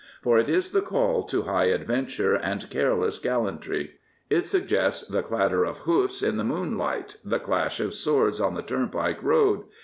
For it is the call to high adventure and careless gallantry. It suggests the clatter of hoofs in the moonlight, the clash of swords on the turnpike road.